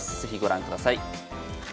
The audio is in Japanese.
是非ご覧ください。